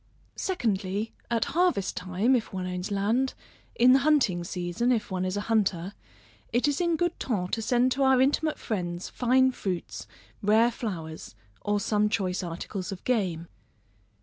Secondly, at harvest time, if one owns land, in the hunting season, if one is a hunter, it is in good ton to send to our intimate friends, fine fruits, rare flowers, or some choice articles of game.